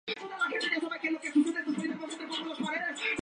Se dice que esta tradición tiene su origen en Bizancio.